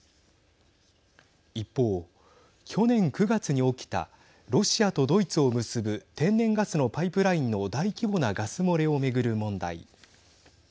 一方、去年９月に起きたロシアとドイツを結ぶ天然ガスのパイプラインの大規模なガス漏れを巡る問題。